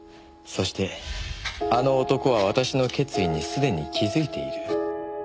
「そしてあの男は私の決意にすでに気づいている」